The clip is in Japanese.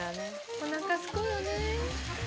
おなかすくよね。